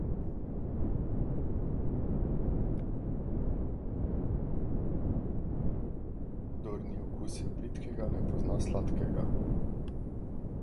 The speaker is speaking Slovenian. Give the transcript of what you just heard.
Kdor ni okusil bridkega, ne pozna sladkega.